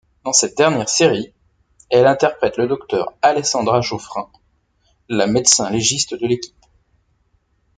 Dans cette dernière série, elle interprète le docteur Alessandra Joffrin, la médecin-légiste de l'équipe.